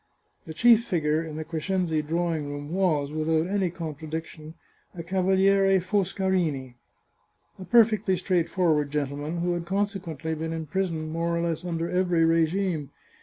The chief figure in the Crescenzi drawing room was, without any contradiction, a Cavaliere Foscarini, a perfectly straightforward gentleman, who had consequently been in prison more or less under every regime.